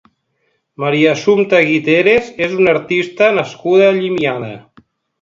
Maria Assumpta Guiteras és una artista nascuda a Llimiana.